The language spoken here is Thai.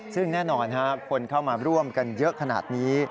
ซึ่งแน่นอนคนเข้ามาร่วมกันเยอะขนาดนี้